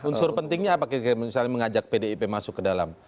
unsur pentingnya apakah misalnya mengajak pdip masuk ke dalam